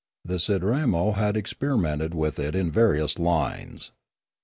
The Sidramo had experimented with it in various lines.